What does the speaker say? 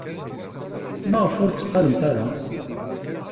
Maɣef ur tteqqalent ara?